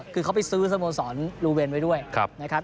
คือเขาไปซื้อสโมสรลูเวนไว้ด้วยนะครับ